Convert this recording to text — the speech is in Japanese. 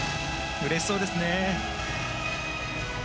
うれしそうですね。